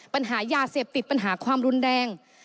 ปัญหายาเสพติดปัญหาความรุนแรง